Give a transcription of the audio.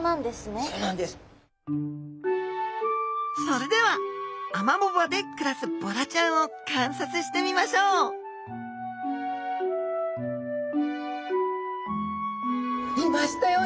それではアマモ場で暮らすボラちゃんを観察してみましょういましたよ